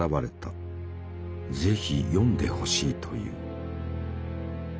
是非読んでほしいという。